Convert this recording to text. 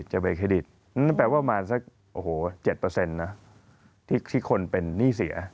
โอ้โห๗เปอร์เซ็นต์นะที่คนเป็นนี่เสีย